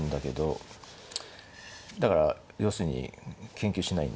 だから要するに研究しないんだよ。